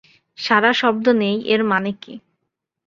সাড়া শব্দ নেই এর মানে কি?